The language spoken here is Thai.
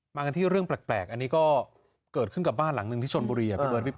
มากันที่เรื่องแปลกอันนี้ก็เกิดขึ้นกับบ้านหลังนึงที่ชนบุรี